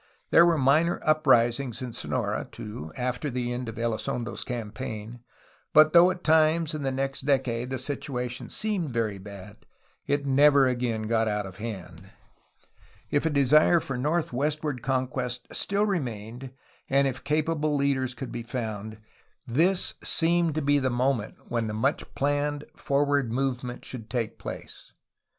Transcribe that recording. There were minor uprisings in Sonora, too, after the end of Elizondo's campaign, but though at times in the next decade the situation seemed very bad, it never again got out of hand. If a desire for northwestward conquest still remained and if capable leaders could be found, this seemed to be the moment when the much planned forward movement should take place.